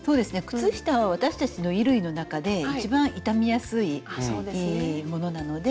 靴下は私たちの衣類の中で一番傷みやすいものなので。